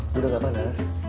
itu udah gak panas